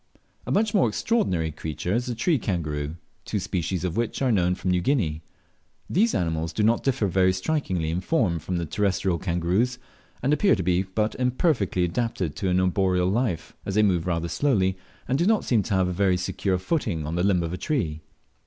A much more extraordinary creature is the tree kangaroo, two species of which are known from New Guinea. These animals do not differ very strikingly in form from the terrestrial kangaroos, and appear to be but imperfectly adapted to an arboreal life, as they move rather slowly, and do not seem to have a very secure footing on the limb of a tree.